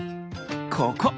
ここ！